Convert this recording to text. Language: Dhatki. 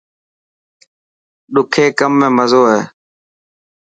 ڏکي ڪم ۾ مزو هي.